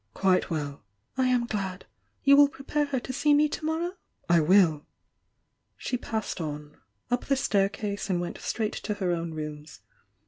"Quite well." "I am glad. You will prepare her to see me to morrow?" "I wiU!" She passed on, up the staircase, and went straight to her own rooms.